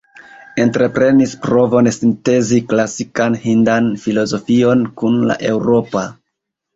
Entreprenis provon sintezi klasikan hindan filozofion kun la eŭropa.